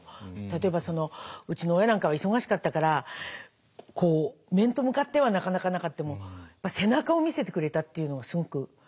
例えばうちの親なんかは忙しかったから面と向かってはなかなかなかっても背中を見せてくれたっていうのがすごく。